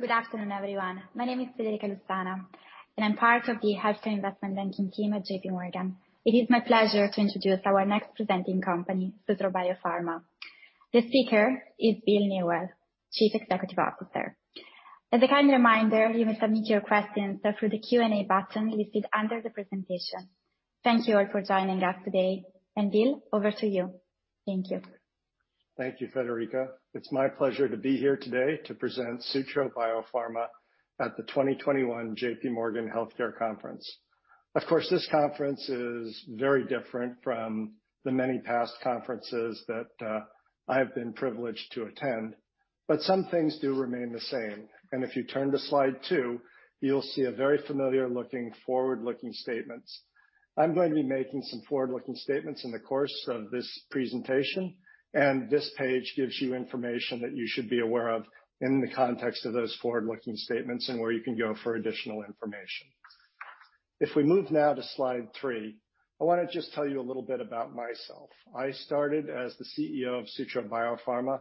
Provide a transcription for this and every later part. Good afternoon, everyone. My name is Federica Lussana, and I'm part of the healthcare investment banking team at JPMorgan. It is my pleasure to introduce our next presenting company, Sutro Biopharma. The speaker is Bill Newell, Chief Executive Officer. As a kind reminder, you may submit your questions through the Q&A button listed under the presentation. Thank you all for joining us today. Bill, over to you. Thank you. Thank you, Federica. It's my pleasure to be here today to present Sutro Biopharma at the 2021 JPMorgan healthcare conference. Of course, this conference is very different from the many past conferences that I've been privileged to attend, but some things do remain the same. If you turn to slide two, you'll see a very familiar-looking forward-looking statements. I'm going to be making some forward-looking statements in the course of this presentation, and this page gives you information that you should be aware of in the context of those forward-looking statements and where you can go for additional information. If we move now to slide three, I want to just tell you a little bit about myself. I started as the CEO of Sutro Biopharma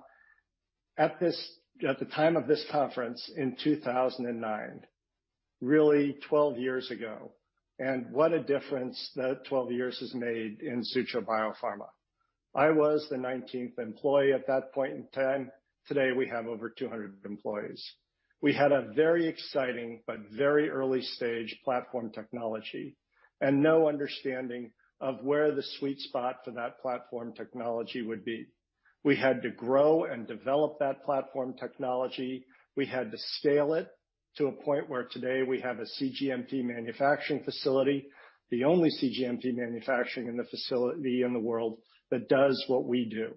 at the time of this conference in 2009, really 12 years ago, and what a difference that 12 years has made in Sutro Biopharma. I was the 19th employee at that point in time. Today, we have over 200 employees. We had a very exciting but very early-stage platform technology and no understanding of where the sweet spot for that platform technology would be. We had to grow and develop that platform technology. We had to scale it to a point where today we have a cGMP manufacturing facility, the only cGMP manufacturing in the world that does what we do.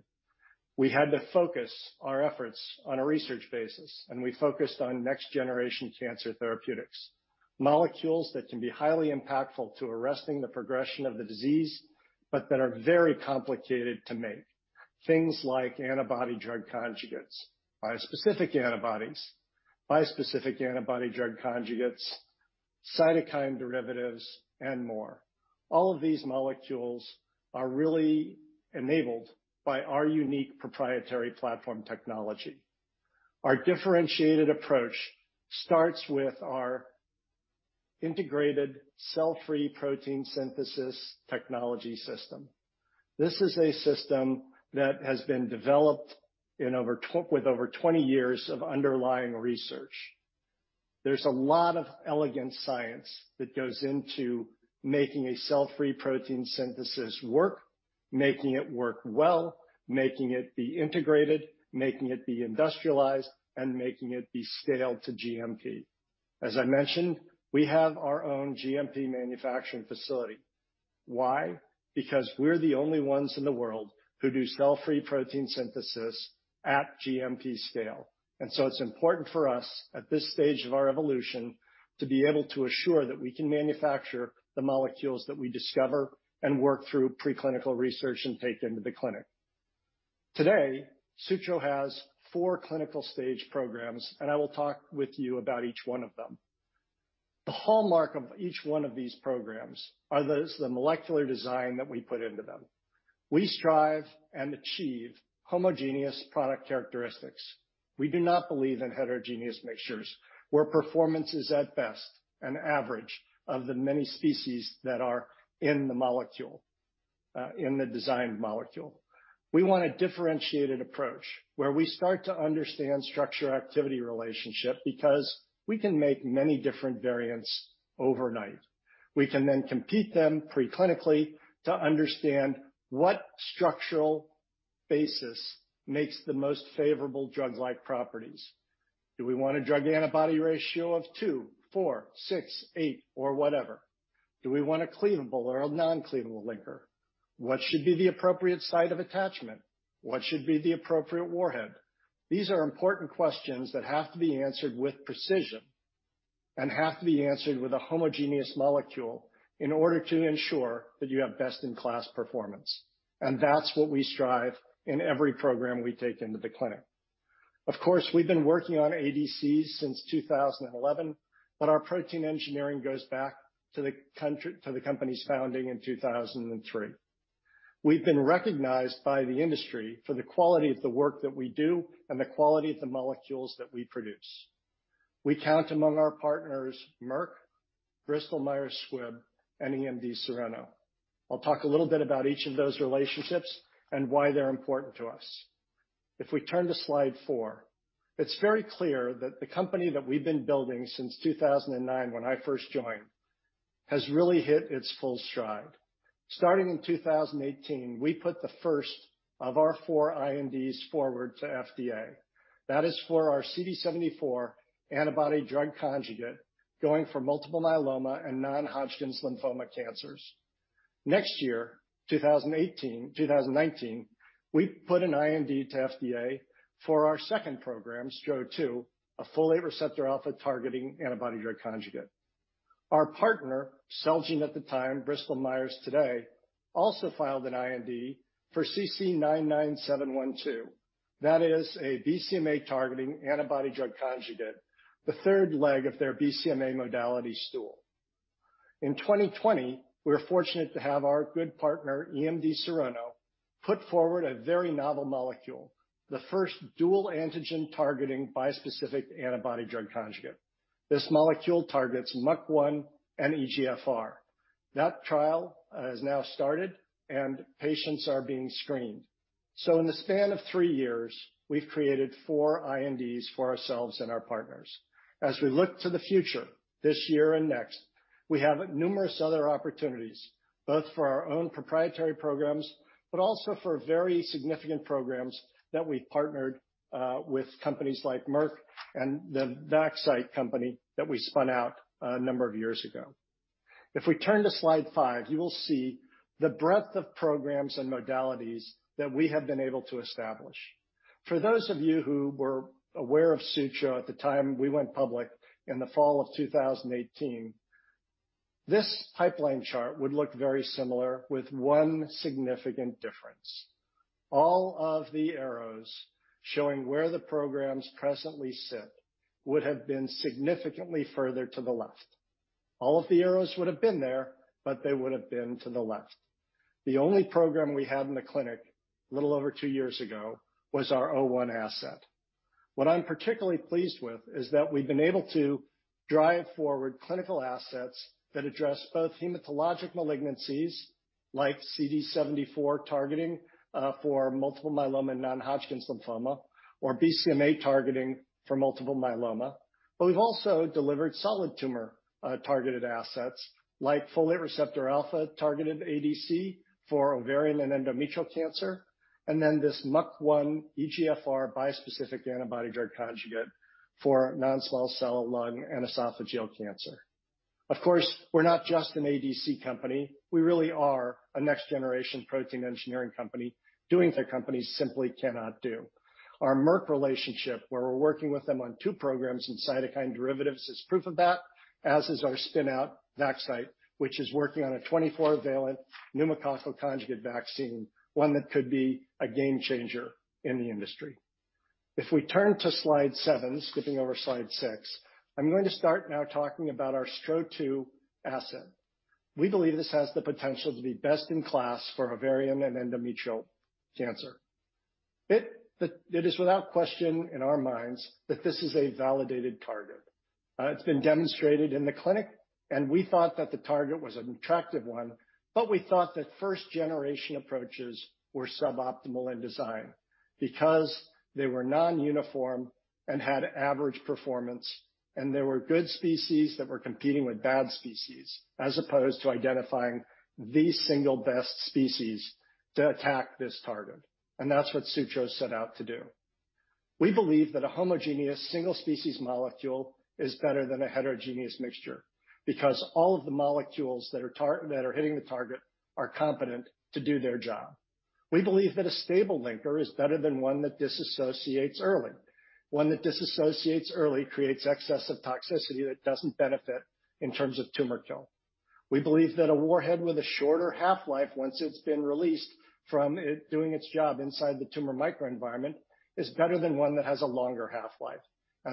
We had to focus our efforts on a research basis, and we focused on next-generation cancer therapeutics, molecules that can be highly impactful to arresting the progression of the disease, but that are very complicated to make. Things like antibody-drug conjugates, bispecific antibodies, bispecific antibody-drug conjugates, cytokine derivatives, and more. All of these molecules are really enabled by our unique proprietary platform technology. Our differentiated approach starts with our integrated cell-free protein synthesis technology system. This is a system that has been developed with over 20 years of underlying research. There's a lot of elegant science that goes into making a cell-free protein synthesis work, making it work well, making it be integrated, making it be industrialized, and making it be scaled to GMP. As I mentioned, we have our own GMP manufacturing facility. Why? Because we're the only ones in the world who do cell-free protein synthesis at GMP scale. It's important for us at this stage of our evolution to be able to assure that we can manufacture the molecules that we discover and work through preclinical research and take into the clinic. Today, Sutro has four clinical stage programs. I will talk with you about each one of them. The hallmark of each one of these programs are the molecular design that we put into them. We strive and achieve homogeneous product characteristics. We do not believe in heterogeneous mixtures where performance is, at best, an average of the many species that are in the molecule, in the designed molecule. We want a differentiated approach where we start to understand structure activity relationship because we can make many different variants overnight. We can compete them preclinically to understand what structural basis makes the most favorable drug-like properties. Do we want a drug antibody ratio of two, four, six, eight, or whatever? Do we want a cleavable or a non-cleavable linker? What should be the appropriate site of attachment? What should be the appropriate warhead? These are important questions that have to be answered with precision and have to be answered with a homogeneous molecule in order to ensure that you have best-in-class performance. That's what we strive in every program we take into the clinic. Of course, we've been working on ADCs since 2011, but our protein engineering goes back to the company's founding in 2003. We've been recognized by the industry for the quality of the work that we do and the quality of the molecules that we produce. We count among our partners Merck, Bristol Myers Squibb, and EMD Serono. I'll talk a little bit about each of those relationships and why they're important to us. If we turn to slide four, it's very clear that the company that we've been building since 2009, when I first joined, has really hit its full stride. Starting in 2018, we put the first of our four INDs forward to FDA. That is for our CD74 antibody drug conjugate going for multiple myeloma and non-Hodgkin's lymphoma cancers. Next year, 2019, we put an IND to FDA for our second program, STRO-002, a folate receptor alpha-targeting antibody drug conjugate. Our partner, Celgene at the time, Bristol Myers today, also filed an IND for CC-99712. That is a BCMA-targeting antibody-drug conjugate, the third leg of their BCMA modality stool. In 2020, we were fortunate to have our good partner, EMD Serono, put forward a very novel molecule, the first dual antigen targeting bispecific antibody-drug conjugate. This molecule targets MUC1 and EGFR. That trial has now started, and patients are being screened. In the span of three years, we've created four INDs for ourselves and our partners. As we look to the future, this year and next, we have numerous other opportunities, both for our own proprietary programs, but also for very significant programs that we've partnered with companies like Merck and the Vaxcyte company that we spun out a number of years ago. If we turn to slide five, you will see the breadth of programs and modalities that we have been able to establish. For those of you who were aware of Sutro at the time we went public in the fall of 2018, this pipeline chart would look very similar with one significant difference. All of the arrows showing where the programs presently sit would have been significantly further to the left. All of the arrows would have been there, but they would've been to the left. The only program we had in the clinic a little over two years ago was our 001 asset. What I'm particularly pleased with is that we've been able to drive forward clinical assets that address both hematologic malignancies like CD74 targeting for multiple myeloma and non-Hodgkin's lymphoma, or BCMA targeting for multiple myeloma. We've also delivered solid tumor targeted assets like folate receptor alpha targeted ADC for ovarian and endometrial cancer, this MUC1-EGFR bispecific antibody-drug conjugate for non-small cell lung and esophageal cancer. Of course, we're not just an ADC company. We really are a next-generation protein engineering company doing what other companies simply cannot do. Our Merck relationship, where we're working with them on two programs and cytokine derivatives, is proof of that, as is our spin-out Vaxcyte, which is working on a 24-valent pneumococcal conjugate vaccine, one that could be a game-changer in the industry. We turn to slide seven, skipping over slide six, I'm going to start now talking about our STRO-002 asset. We believe this has the potential to be best in class for ovarian and endometrial cancer. It is without question in our minds that this is a validated target. It's been demonstrated in the clinic, and we thought that the target was an attractive one, but we thought that first-generation approaches were suboptimal in design because they were non-uniform and had average performance, and there were good species that were competing with bad species, as opposed to identifying the single best species to attack this target. That's what Sutro set out to do. We believe that a homogeneous single-species molecule is better than a heterogeneous mixture because all of the molecules that are hitting the target are competent to do their job. We believe that a stable linker is better than one that dissociates early. One that dissociates early creates excessive toxicity that doesn't benefit in terms of tumor kill. We believe that a warhead with a shorter half-life, once it's been released from it doing its job inside the tumor microenvironment, is better than one that has a longer half-life.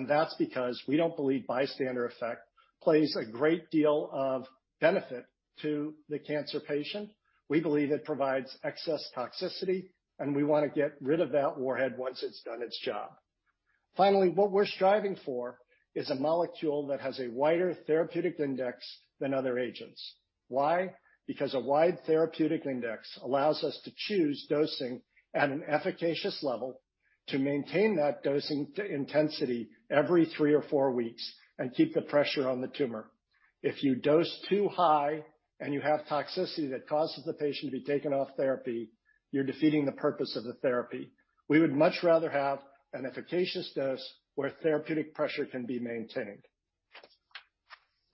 That's because we don't believe bystander effect plays a great deal of benefit to the cancer patient. We believe it provides excess toxicity, and we want to get rid of that warhead once it's done its job. What we're striving for is a molecule that has a wider therapeutic index than other agents. Why? A wide therapeutic index allows us to choose dosing at an efficacious level to maintain that dosing intensity every three or four weeks and keep the pressure on the tumor. If you dose too high and you have toxicity that causes the patient to be taken off therapy, you're defeating the purpose of the therapy. We would much rather have an efficacious dose where therapeutic pressure can be maintained.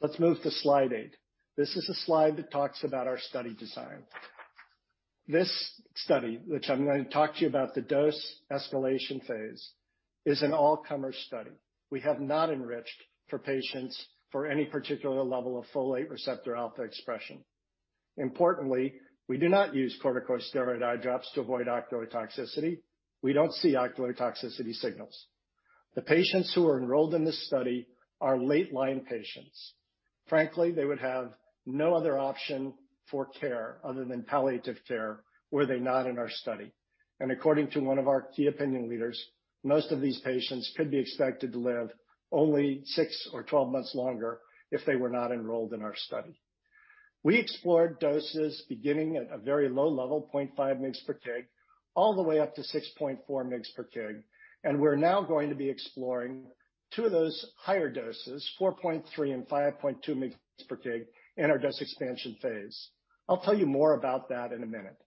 Let's move to slide eight. This is a slide that talks about our study design. This study, which I'm going to talk to you about the dose escalation phase, is an all-comer study. We have not enriched for patients for any particular level of folate receptor alpha expression. Importantly, we do not use corticosteroid eye drops to avoid ocular toxicity. We don't see ocular toxicity signals. The patients who are enrolled in this study are late-line patients. Frankly, they would have no other option for care other than palliative care were they not in our study. According to one of our key opinion leaders, most of these patients could be expected to live only six or 12 months longer if they were not enrolled in our study. We explored doses beginning at a very low level, 0.5 mg/kg, all the way up to 6.4 mg/kg. We're now going to be exploring two of those higher doses, 4.3 and 5.2 mg/kg in our dose expansion phase. I'll tell you more about that in a minute.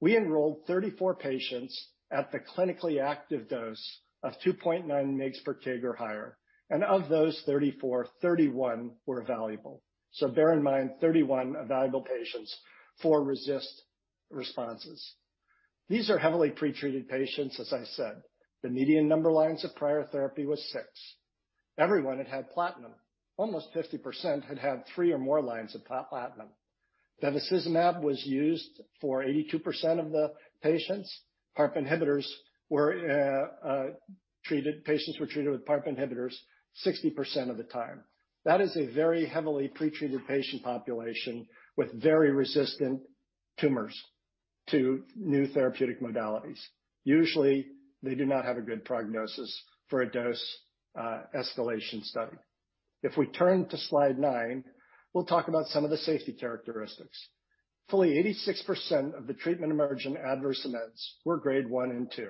We enrolled 34 patients at the clinically active dose of 2.9 mg/kg or higher. Of those 34, 31 were evaluable. Bear in mind 31 evaluable patients for RECIST responses. These are heavily pretreated patients, as I said. The median number lines of prior therapy was six. Everyone had had platinum. Almost 50% had had three or more lines of platinum. bevacizumab was used for 82% of the patients. PARP inhibitors, patients were treated with PARP inhibitors 60% of the time. That is a very heavily pre-treated patient population with very resistant tumors to new therapeutic modalities. Usually, they do not have a good prognosis for a dose escalation study. If we turn to slide nine, we'll talk about some of the safety characteristics. Fully 86% of the treatment-emergent adverse events were grade one and two.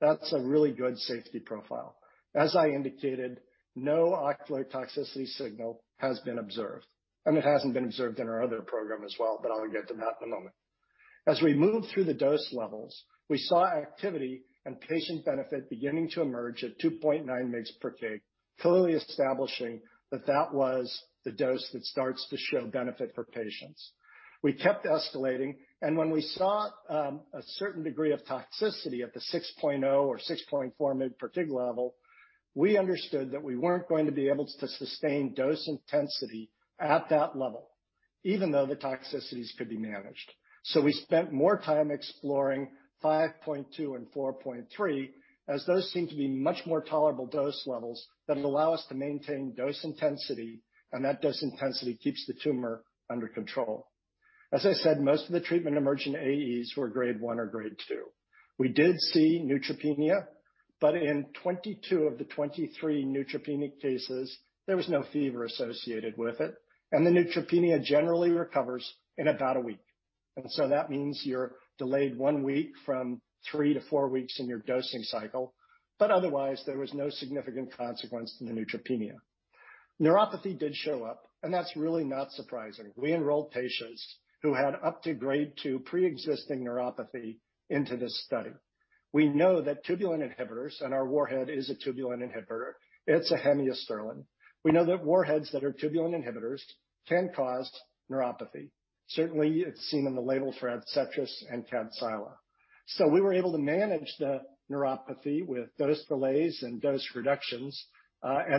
That's a really good safety profile. As I indicated, no ocular toxicity signal has been observed, and it hasn't been observed in our other program as well, but I'll get to that in a moment. As we move through the dose levels, we saw activity and patient benefit beginning to emerge at 2.9 mg/kg, clearly establishing that that was the dose that starts to show benefit for patients. We kept escalating. When we saw a certain degree of toxicity at the 6.0 mg/kg or 6.4 mg/kg level, we understood that we weren't going to be able to sustain dose intensity at that level, even though the toxicities could be managed. We spent more time exploring 5.2 mg/kg and 4.3 mg/kg, as those seem to be much more tolerable dose levels that allow us to maintain dose intensity, and that dose intensity keeps the tumor under control. As I said, most of the treatment emergent AEs were grade one or grade two. We did see neutropenia, but in 22 of the 23 neutropenic cases, there was no fever associated with it, and the neutropenia generally recovers in about a week. That means you're delayed one week from three to four weeks in your dosing cycle. Otherwise, there was no significant consequence to the neutropenia. Neuropathy did show up. That's really not surprising. We enrolled patients who had up to grade two pre-existing neuropathy into this study. We know that tubulin inhibitors and our warhead is a tubulin inhibitor. It's a hemiasterlin. We know that warheads that are tubulin inhibitors can cause neuropathy. Certainly, it's seen in the label for Adcetris and Kadcyla. We were able to manage the neuropathy with dose delays and dose reductions.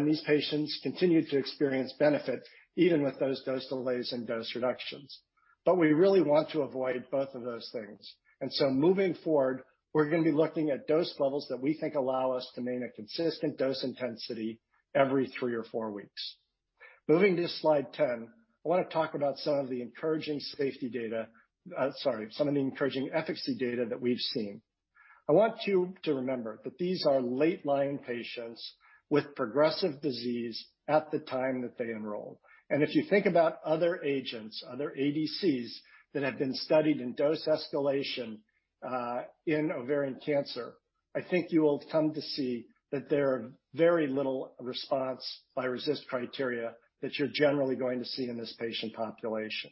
These patients continued to experience benefit even with those dose delays and dose reductions. We really want to avoid both of those things. Moving forward, we're going to be looking at dose levels that we think allow us to maintain a consistent dose intensity every three or four weeks. Moving to slide 10, I want to talk about some of the encouraging efficacy data that we've seen. I want you to remember that these are late-lying patients with progressive disease at the time that they enroll. If you think about other agents, other ADCs that have been studied in dose escalation in ovarian cancer, I think you will come to see that there are very little response by RECIST criteria that you're generally going to see in this patient population.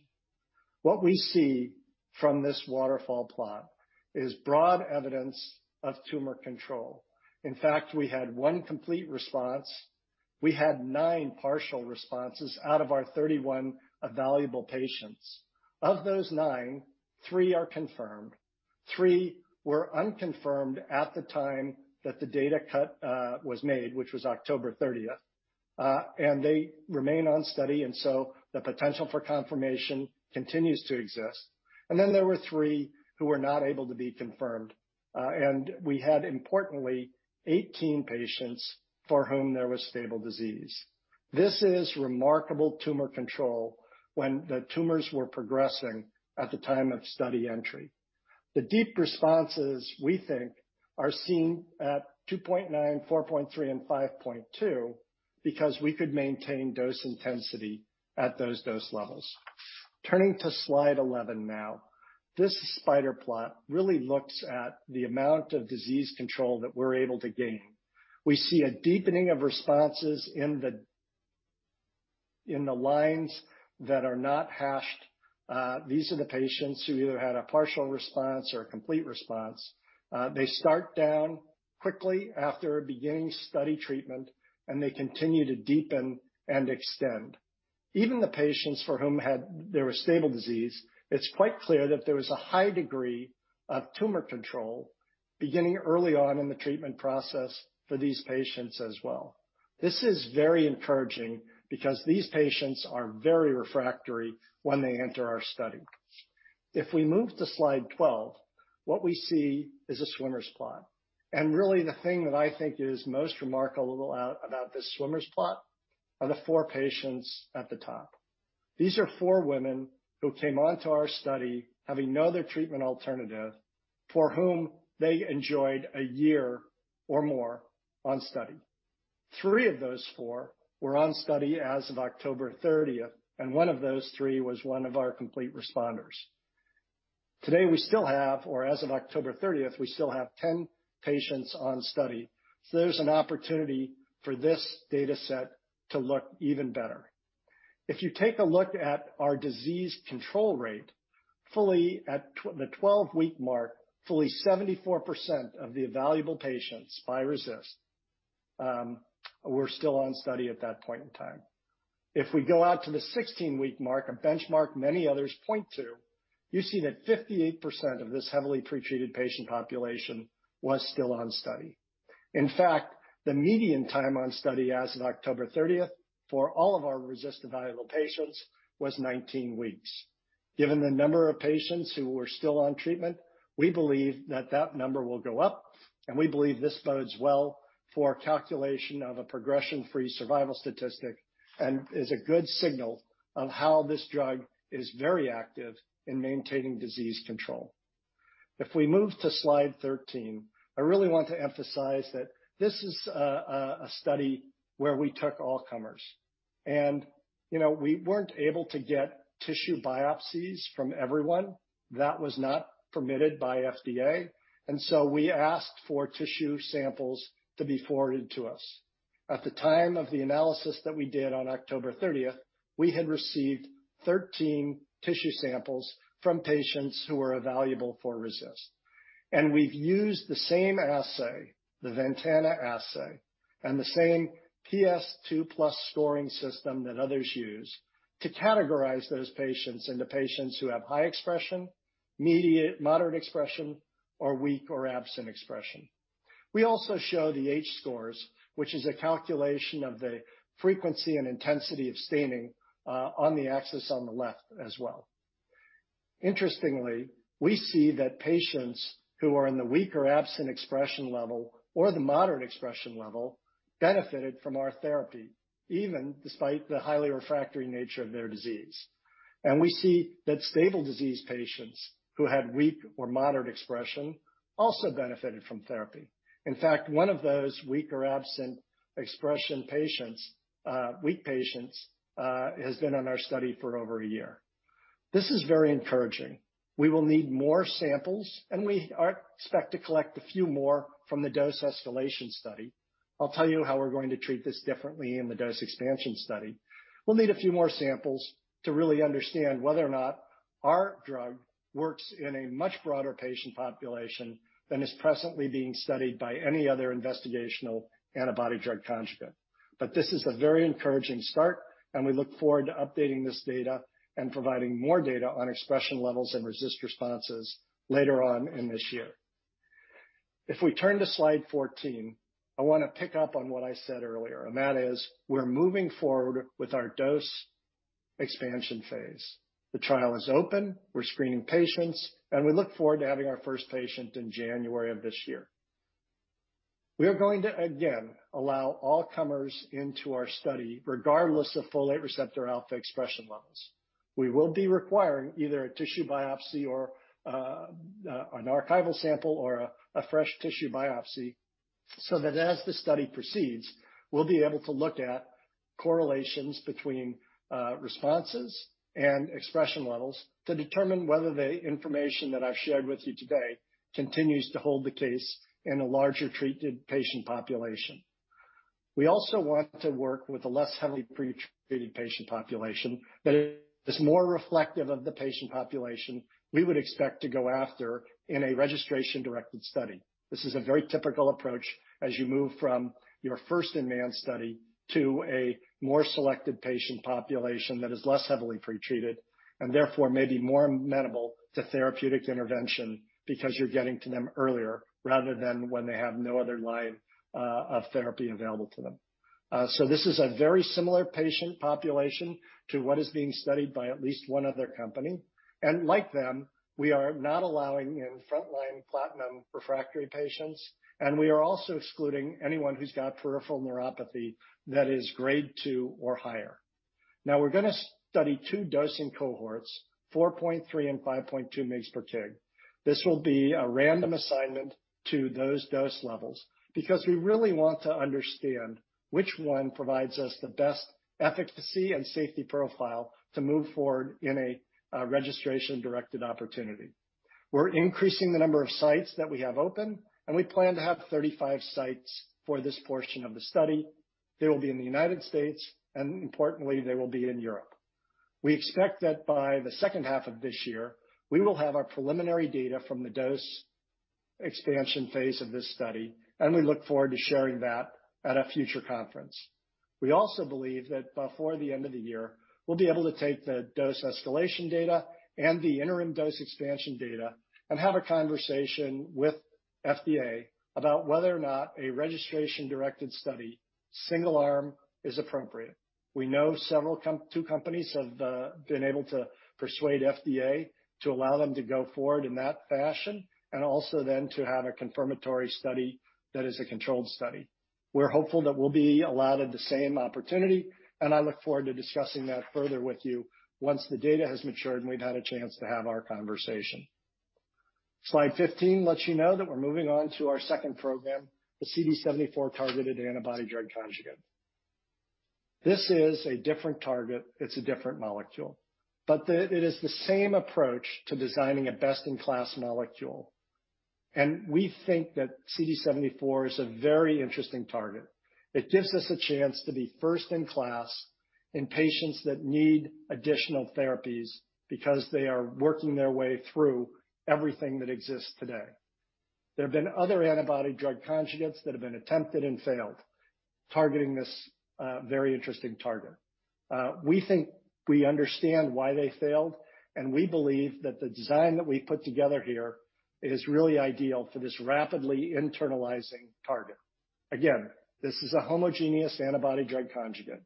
What we see from this waterfall plot is broad evidence of tumor control. In fact, we had one complete response. We had nine partial responses out of our 31 evaluable patients. Of those nine, three are confirmed, three were unconfirmed at the time that the data cut was made, which was October 30th. They remain on study, the potential for confirmation continues to exist. Then there were three who were not able to be confirmed. We had, importantly, 18 patients for whom there was stable disease. This is remarkable tumor control when the tumors were progressing at the time of study entry. The deep responses, we think, are seen at 2.9 mg/kg, 4.3 mg/kg, and 5.2 mg/kg because we could maintain dose intensity at those dose levels. Turning to slide 11 now. This spider plot really looks at the amount of disease control that we're able to gain. We see a deepening of responses in the lines that are not hashed. These are the patients who either had a partial response or a complete response. They start down quickly after beginning study treatment, and they continue to deepen and extend. Even the patients for whom there was stable disease, it is quite clear that there was a high degree of tumor control beginning early on in the treatment process for these patients as well. This is very encouraging because these patients are very refractory when they enter our study. If we move to slide 12, what we see is a swimmer's plot. Really the thing that I think is most remarkable about this swimmer's plot are the four patients at the top. These are four women who came onto our study having no other treatment alternative for whom they enjoyed a year or more on study. Three of those four were on study as of October 30th, and one of those three was one of our complete responders. Today, we still have, or as of October 30th, we still have 10 patients on study. There's an opportunity for this data set to look even better. If you take a look at our disease control rate, fully at the 12-week mark, fully 74% of the evaluable patients by RECIST were still on study at that point in time. If we go out to the 16-week mark, a benchmark many others point to. You see that 58% of this heavily pre-treated patient population was still on study. In fact, the median time on study as of October 30th for all of our RECIST evaluable patients was 19 weeks. Given the number of patients who were still on treatment, we believe that that number will go up, and we believe this bodes well for calculation of a progression-free survival statistic and is a good signal of how this drug is very active in maintaining disease control. If we move to slide 13, I really want to emphasize that this is a study where we took all comers. We weren't able to get tissue biopsies from everyone. That was not permitted by FDA. We asked for tissue samples to be forwarded to us. At the time of the analysis that we did on October 30th, we had received 13 tissue samples from patients who were evaluable for RECIST. We've used the same assay, the Ventana assay, and the same PS2+ scoring system that others use to categorize those patients into patients who have high expression, moderate expression, or weak or absent expression. We also show the H-scores, which is a calculation of the frequency and intensity of staining, on the axis on the left as well. Interestingly, we see that patients who are in the weak or absent expression level or the moderate expression level benefited from our therapy, even despite the highly refractory nature of their disease. We see that stable disease patients who had weak or moderate expression also benefited from therapy. In fact, one of those weak or absent expression patients, weak patients, has been on our study for over a year. This is very encouraging. We will need more samples, and we expect to collect a few more from the dose escalation study. I'll tell you how we're going to treat this differently in the dose expansion study. We'll need a few more samples to really understand whether or not our drug works in a much broader patient population than is presently being studied by any other investigational antibody-drug conjugate. This is a very encouraging start, and we look forward to updating this data and providing more data on expression levels and RECIST responses later on in this year. If we turn to slide 14, I want to pick up on what I said earlier, and that is we're moving forward with our dose expansion phase. The trial is open. We're screening patients, and we look forward to having our first patient in January of this year. We are going to, again, allow all comers into our study, regardless of folate receptor alpha expression levels. We will be requiring either a tissue biopsy or an archival sample or a fresh tissue biopsy so that as the study proceeds, we'll be able to look at correlations between responses and expression levels to determine whether the information that I've shared with you today continues to hold the case in a larger treated patient population. We also want to work with a less heavily pre-treated patient population that is more reflective of the patient population we would expect to go after in a registration-directed study. This is a very typical approach as you move from your first-in-man study to a more selected patient population that is less heavily pre-treated and therefore may be more amenable to therapeutic intervention because you're getting to them earlier rather than when they have no other line of therapy available to them. This is a very similar patient population to what is being studied by at least one other company. Like them, we are not allowing in frontline platinum refractory patients, and we are also excluding anyone who's got peripheral neuropathy that is grade two or higher. We're going to study two dosing cohorts, 4.3 mg/kg and 5.2 mg/kg. This will be a random assignment to those dose levels because we really want to understand which one provides us the best efficacy and safety profile to move forward in a registration-directed opportunity. We're increasing the number of sites that we have open, and we plan to have 35 sites for this portion of the study. They will be in the United States, and importantly, they will be in Europe. We expect that by the second half of this year, we will have our preliminary data from the dose expansion phase of this study, and we look forward to sharing that at a future conference. We also believe that before the end of the year, we'll be able to take the dose escalation data and the interim dose expansion data and have a conversation with FDA about whether or not a registration-directed study, single arm, is appropriate. We know two companies have been able to persuade FDA to allow them to go forward in that fashion and also then to have a confirmatory study that is a controlled study. We're hopeful that we'll be allotted the same opportunity, and I look forward to discussing that further with you once the data has matured, and we've had a chance to have our conversation. Slide 15 lets you know that we're moving on to our second program, the CD74-targeted antibody-drug conjugate. This is a different target. It's a different molecule, but it is the same approach to designing a best-in-class molecule. We think that CD74 is a very interesting target. It gives us a chance to be first in class in patients that need additional therapies because they are working their way through everything that exists today. There have been other antibody-drug conjugates that have been attempted and failed, targeting this very interesting target. We think we understand why they failed, and we believe that the design that we put together here is really ideal for this rapidly internalizing target. Again, this is a homogeneous antibody-drug conjugate.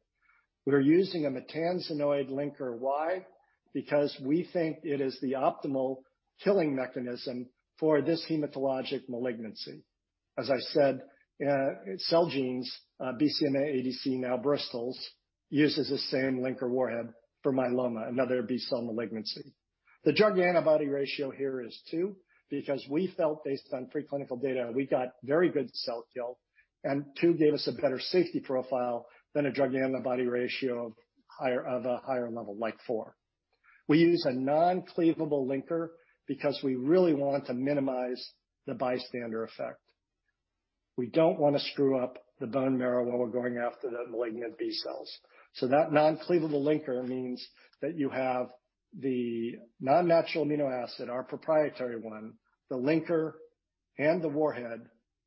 We are using a maytansinoid linker. Why? Because we think it is the optimal killing mechanism for this hematologic malignancy. As I said, Celgene's BCMA ADC, now Bristol's, uses the same linker warhead for myeloma, another B-cell malignancy. The drug-to-antibody ratio here is two, because we felt, based on preclinical data, we got very good cell kill, and two gave us a better safety profile than a drug-to-antibody ratio of a higher level, like four. We use a non-cleavable linker because we really want to minimize the bystander effect. We don't want to screw up the bone marrow while we're going after the malignant B cells. That non-cleavable linker means that you have the non-natural amino acid, our proprietary one, the linker, and the warhead,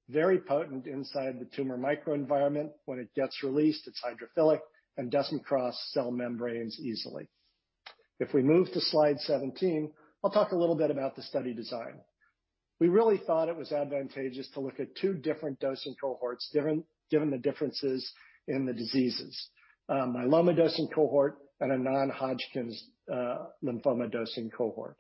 very potent inside the tumor microenvironment. When it gets released, it's hydrophilic and doesn't cross cell membranes easily. If we move to slide 17, I'll talk a little bit about the study design. We really thought it was advantageous to look at two different dosing cohorts, given the differences in the diseases. A multiple myeloma dosing cohort and a non-Hodgkin's lymphoma dosing cohort.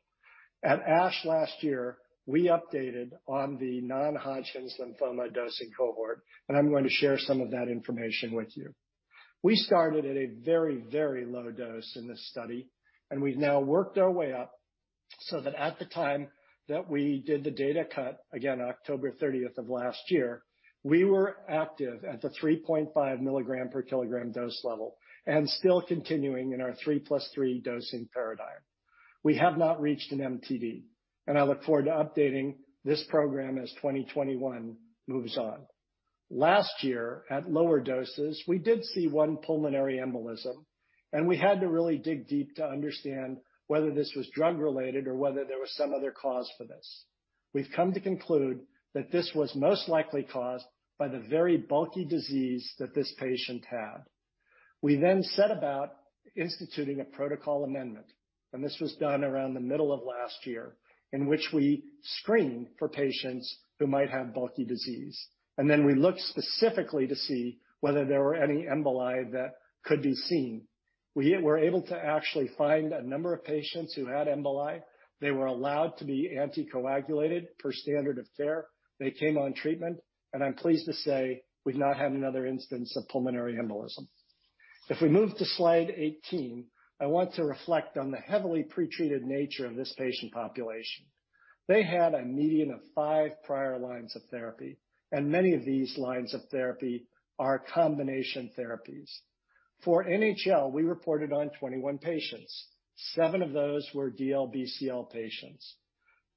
At ASH last year, we updated on the non-Hodgkin's lymphoma dosing cohort, and I'm going to share some of that information with you. We started at a very low dose in this study, and we've now worked our way up so that at the time that we did the data cut, again on October 30th of last year, we were active at the 3.5 mg/kg dose level and still continuing in our 3+3 dosing paradigm. We have not reached an MTD, and I look forward to updating this program as 2021 moves on. Last year, at lower doses, we did see one pulmonary embolism. We had to really dig deep to understand whether this was drug-related or whether there was some other cause for this. We've come to conclude that this was most likely caused by the very bulky disease that this patient had. We set about instituting a protocol amendment. This was done around the middle of last year, in which we screened for patients who might have bulky disease. We looked specifically to see whether there were any emboli that could be seen. We were able to actually find a number of patients who had emboli. They were allowed to be anticoagulated per standard of care. They came on treatment. I'm pleased to say we've not had another instance of pulmonary embolism. If we move to slide 18, I want to reflect on the heavily pretreated nature of this patient population. They had a median of five prior lines of therapy, and many of these lines of therapy are combination therapies. For NHL, we reported on 21 patients. Seven of those were DLBCL patients.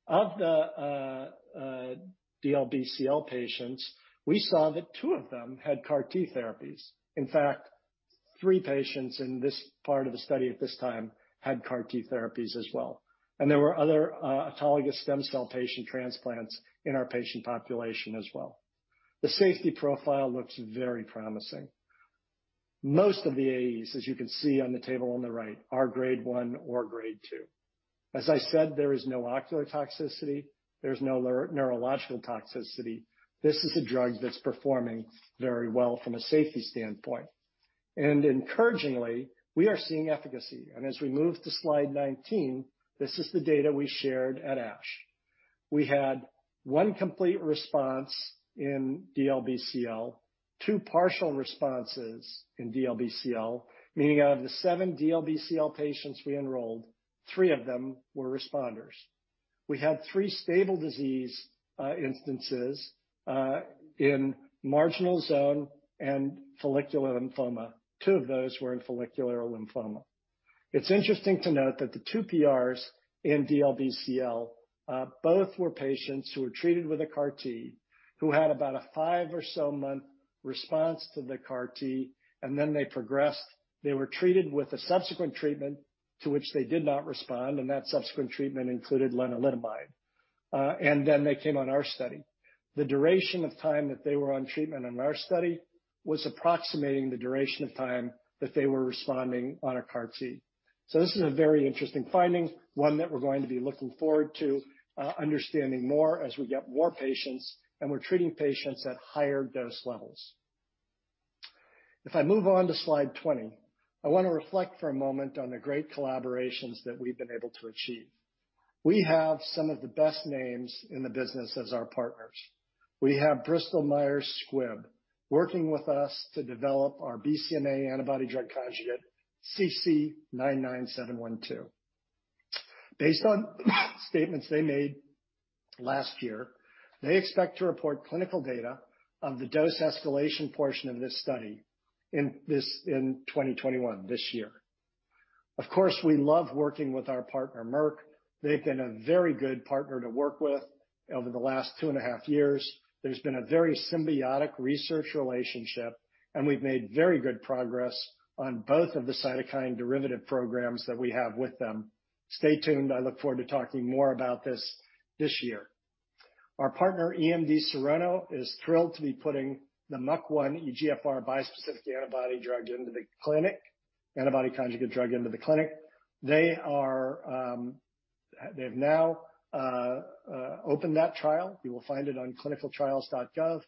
Of the DLBCL patients, we saw that two of them had CAR-T therapies. In fact, three patients in this part of the study at this time had CAR-T therapies as well. There were other autologous stem cell patient transplants in our patient population as well. The safety profile looks very promising. Most of the AEs, as you can see on the table on the right, are grade one or grade two. As I said, there is no ocular toxicity. There's no neurological toxicity. This is a drug that's performing very well from a safety standpoint. Encouragingly, we are seeing efficacy. As we move to slide 19, this is the data we shared at ASH. We had one complete response in DLBCL, two partial responses in DLBCL. Meaning out of the seven DLBCL patients we enrolled, three of them were responders. We had three stable disease instances in marginal zone and follicular lymphoma. Two of those were in follicular lymphoma. It's interesting to note that the two PRs in DLBCL both were patients who were treated with a CAR-T, who had about a five or so month response to the CAR-T, and then they progressed. They were treated with a subsequent treatment to which they did not respond, and that subsequent treatment included lenalidomide. Then they came on our study. The duration of time that they were on treatment in our study was approximating the duration of time that they were responding on a CAR-T. This is a very interesting finding, one that we're going to be looking forward to understanding more as we get more patients and we're treating patients at higher dose levels. If I move on to slide 20, I want to reflect for a moment on the great collaborations that we've been able to achieve. We have some of the best names in the business as our partners. We have Bristol Myers Squibb working with us to develop our BCMA antibody drug conjugate CC-99712. Based on statements they made last year, they expect to report clinical data on the dose escalation portion of this study in 2021 this year. Of course, we love working with our partner, Merck. They've been a very good partner to work with over the last two and a half years. There's been a very symbiotic research relationship. We've made very good progress on both of the cytokine derivative programs that we have with them. Stay tuned. I look forward to talking more about this this year. Our partner, EMD Serono, is thrilled to be putting the MUC1-EGFR bispecific antibody-drug conjugate drug into the clinic. They have now opened that trial. You will find it on clinicaltrials.gov.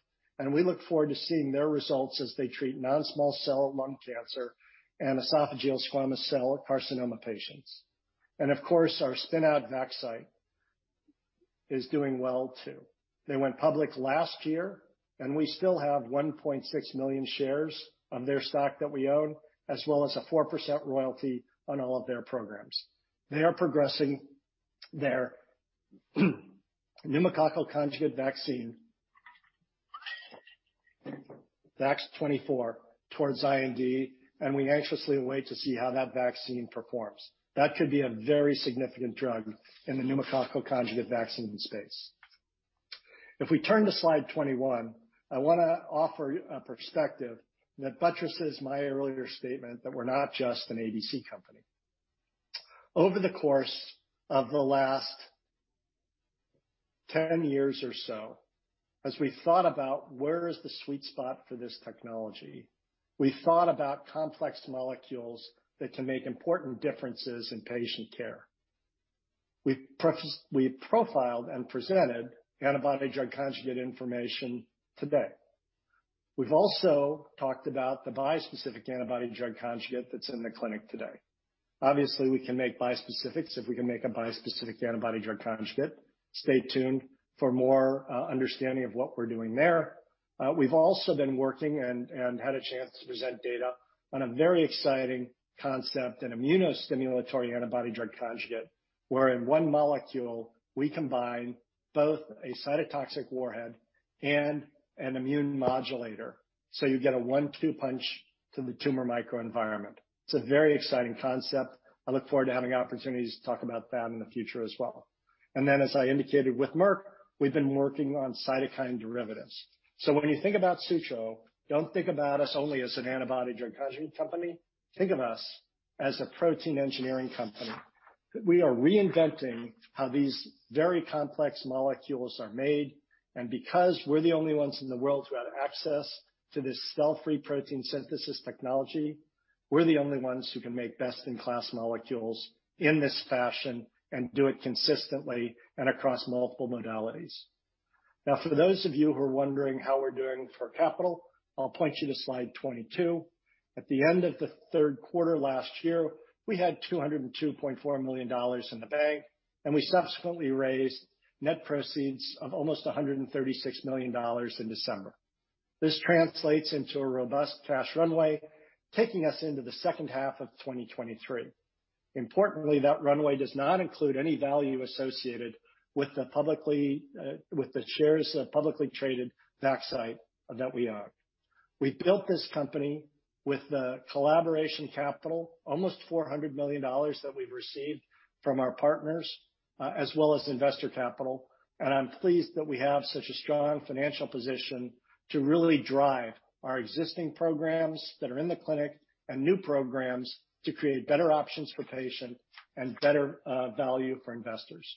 We look forward to seeing their results as they treat non-small cell lung cancer and esophageal squamous cell carcinoma patients. Of course, our spin-out Vaxcyte is doing well too. They went public last year. We still have 1.6 million shares of their stock that we own, as well as a 4% royalty on all of their programs. They are progressing their pneumococcal conjugate vaccine, VAX-24, towards IND. We anxiously await to see how that vaccine performs. That could be a very significant drug in the pneumococcal conjugate vaccine space. If we turn to slide 21, I want to offer a perspective that buttresses my earlier statement that we're not just an ADC company. Over the course of the last 10 years or so, as we thought about where is the sweet spot for this technology, we thought about complex molecules that can make important differences in patient care. We profiled and presented antibody-drug conjugate information today. We've also talked about the bispecific antibody-drug conjugate that's in the clinic today. Obviously, we can make bispecifics if we can make a bispecific antibody-drug conjugate. Stay tuned for more understanding of what we're doing there. We've also been working and had a chance to present data on a very exciting concept, an immunostimulatory antibody drug conjugate, where in one molecule we combine both a cytotoxic warhead and an immune modulator. You get a one-two punch to the tumor microenvironment. It's a very exciting concept. I look forward to having opportunities to talk about that in the future as well. Then, as I indicated with Merck, we've been working on cytokine derivatives. When you think about Sutro, don't think about us only as an antibody drug conjugate company. Think of us as a protein engineering company. We are reinventing how these very complex molecules are made, and because we're the only ones in the world who have access to this cell-free protein synthesis technology, we're the only ones who can make best-in-class molecules in this fashion and do it consistently and across multiple modalities. Now, for those of you who are wondering how we're doing for capital, I'll point you to slide 22. At the end of the third quarter last year, we had $202.4 million in the bank, and we subsequently raised net proceeds of almost $136 million in December. This translates into a robust cash runway, taking us into the second half of 2023. Importantly, that runway does not include any value associated with the shares of publicly traded Vaxcyte that we own. We built this company with the collaboration capital, almost $400 million that we've received from our partners, as well as investor capital. I'm pleased that we have such a strong financial position to really drive our existing programs that are in the clinic, and new programs to create better options for patients and better value for investors.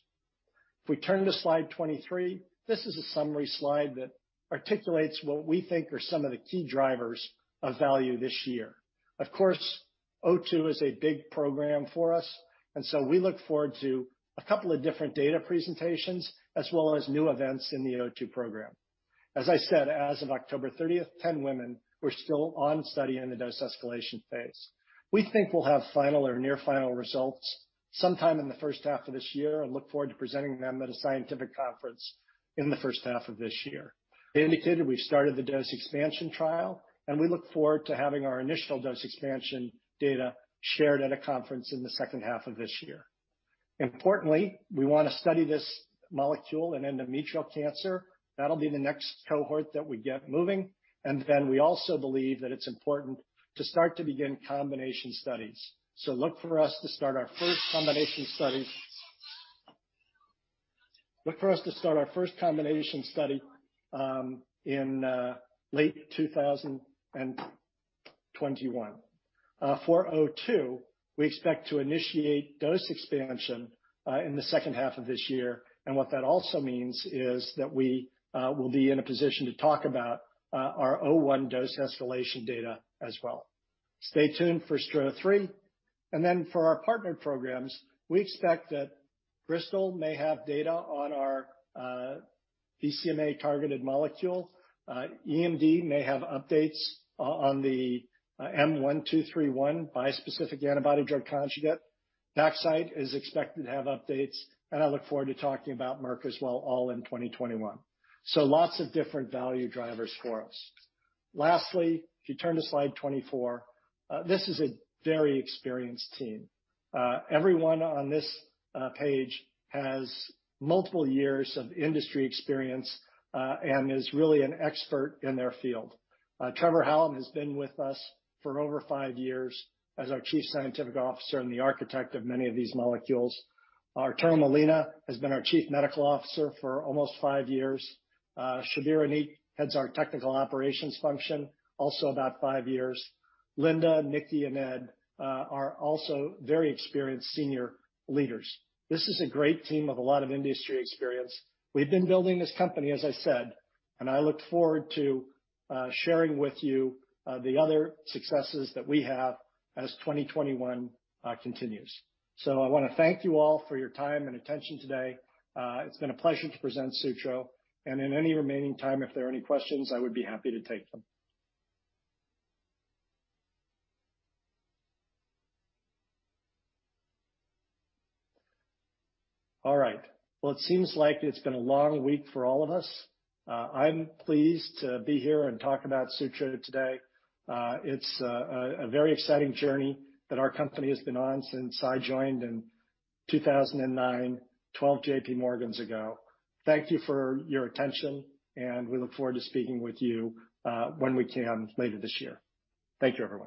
If we turn to slide 23, this is a summary slide that articulates what we think are some of the key drivers of value this year. Of course, 002 is a big program for us, and so we look forward to a couple of different data presentations as well as new events in the 002 program. As I said, as of October 30th, 10 women were still on study in the dose escalation phase. We think we'll have final or near final results sometime in the first half of this year and look forward to presenting them at a scientific conference in the first half of this year. I indicated we've started the dose expansion trial, we look forward to having our initial dose expansion data shared at a conference in the second half of this year. Importantly, we want to study this molecule in endometrial cancer. That'll be the next cohort that we get moving, and then we also believe that it's important to start to begin combination studies. Look for us to start our first combination study in late 2021. For 002, we expect to initiate dose expansion in the second half of this year. What that also means is that we will be in a position to talk about our phase I dose escalation data as well. Stay tuned for STRO-003. For our partner programs, we expect that Bristol may have data on our BCMA-targeted molecule. EMD may have updates on the M1231 bispecific antibody-drug conjugate. Vaxcyte is expected to have updates, and I look forward to talking about Merck as well, all in 2021. Lots of different value drivers for us. Lastly, if you turn to slide 24, this is a very experienced team. Everyone on this page has multiple years of industry experience and is really an expert in their field. Trevor Hallam has been with us for over five years as our Chief Scientific Officer and the architect of many of these molecules. Arturo Molina has been our Chief Medical Officer for almost five years. Shabbir Anik heads our technical operations function, also about five years. Linda, Nicki, and Ed are also very experienced senior leaders. This is a great team of a lot of industry experience. We've been building this company, as I said, and I look forward to sharing with you the other successes that we have as 2021 continues. I want to thank you all for your time and attention today. It's been a pleasure to present Sutro. In any remaining time, if there are any questions, I would be happy to take them. All right. It seems like it's been a long week for all of us. I'm pleased to be here and talk about Sutro today. It's a very exciting journey that our company has been on since I joined in 2009, 12 JPMorgans ago. Thank you for your attention, and we look forward to speaking with you when we can later this year. Thank you, everyone.